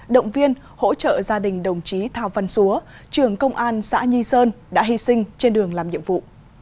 động viên hỗ trợ gia đình đồng chí thao văn xúa trưởng công an xã nhi sơn đã hy sinh trên đường làm nhiệm vụ